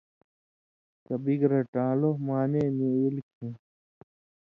کہ بِگ رٹان٘لو (مانِع) نی ایل کھیں